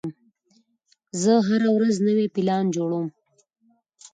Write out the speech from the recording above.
زه هره ورځ نوی پلان جوړوم.